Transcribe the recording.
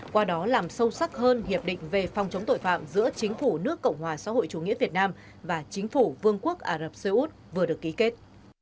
qua đó làm sâu sắc hơn hiệp định về phòng chống tội phạm giữa chính phủ nước cộng hòa xã hội chủ nghĩa việt nam và chính phủ vương quốc ả rập xê út vừa được ký kết